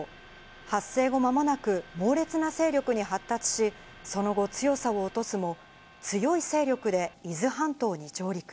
発生後まもなく猛烈な勢力に発達し、その後、強さを落とすも、強い勢力で伊豆半島に上陸。